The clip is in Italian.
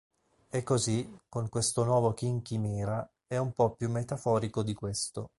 E così, con questo nuovo King Chimera, è un po' più metaforico di questo.